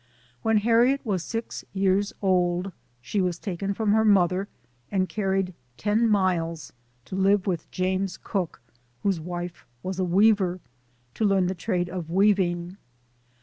" When Harriet was six years old, she was taken from her mother and carried ten miles to live with James Cook, whose wife was a weaver, to learn the trade of weaving.